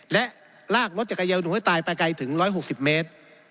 และลากรถจักรยานยนต์ให้ตายไปไกลถึง๑๖๐เมตร